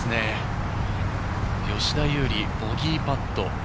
吉田優利、ボギーパット。